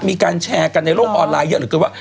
มีการแชร์กันในโลกออนไลน์นี่แล้วหรือก็ว่า